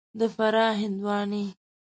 د فراه هندوانې